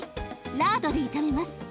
ラードで炒めます。